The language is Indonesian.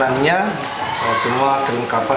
bagaimana perusahaan bagaimana perusahaan bagaimana perusahaan